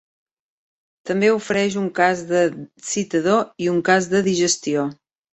També ofereix un cas de citador i un cas de digestió.